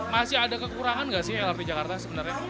masih ada kekurangan nggak sih lrt jakarta sebenarnya